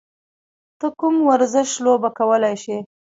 ته کوم ورزش لوبه کولی شې؟